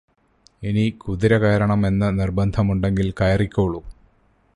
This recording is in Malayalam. ഇനി കുതിര കയറണം എന്നു നിർബന്ധമുണ്ടെങ്കിൽ കയറിക്കോളൂ.